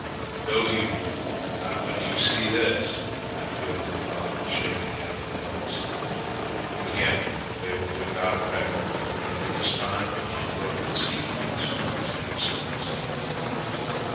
"No, you wouldn't, not when you see this," Pentfield replied, shaking out the dice. Again they were without a pair, running this time in unbroken sequence from two to six.